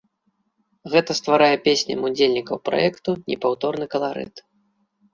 Гэта стварае песням удзельнікаў праекту непаўторны каларыт.